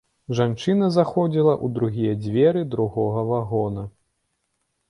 Жанчына заходзіла ў другія дзверы другога вагона.